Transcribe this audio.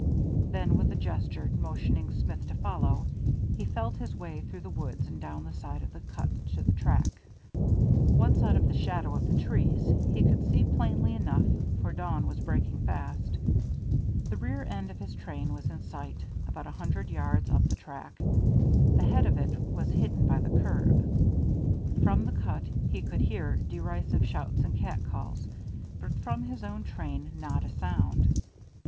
Then with a gesture motioning Smith to follow, he felt his way through the woods and down the side of the cut to the track. Once out of the shadow of the trees he could see plainly enough, for dawn was breaking fast. The rear end of his train was in sight, about a hundred yards up the track; the head of it was hidden by the curve. From the cut he could hear derisive shouts and cat calls, but from his own train not a sound.